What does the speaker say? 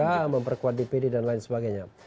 ya memperkuat dpd dan lain sebagainya